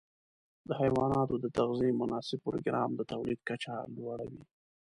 د حيواناتو د تغذیې مناسب پروګرام د تولید کچه لوړه وي.